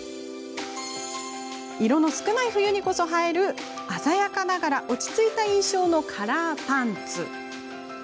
色の少ない冬にこそ映える鮮やかながら落ち着いた印象のカラーパンツ。